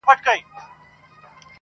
ژوند در ډالۍ دى تاته.